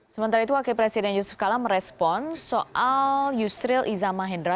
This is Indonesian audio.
sementara itu wakil presiden yusuf kala merespon soal yusril iza mahendra